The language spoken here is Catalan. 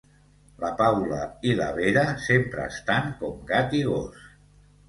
La Paula i la Vera sempre estan com gat i gos